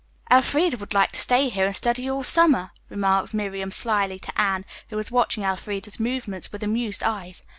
"Elfreda would like to stay here and study all summer," remarked Miriam slyly to Anne, who was watching Elfreda's movements with amused eyes.